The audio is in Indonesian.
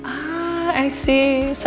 ah saya dengar